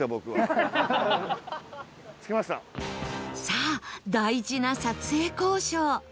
さあ大事な撮影交渉